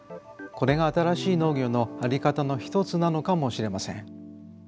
これが新しい農業のあり方の一つなのかもしれません。